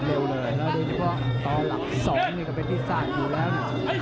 แล้วแม่หนูก็ดดอยู่ตางแตก